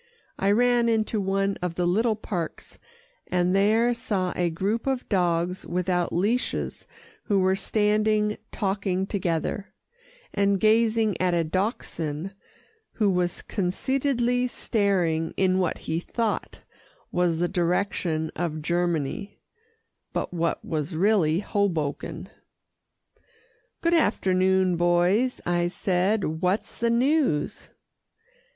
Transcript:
I ran into one of the little parks, and there saw a group of dogs without leashes who were standing talking together, and gazing at a Dachshund who was conceitedly staring in what he thought was the direction of Germany, but what was really Hoboken. "Good afternoon, boys," I said, "what's the news?"